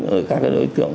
ở các cái đối tượng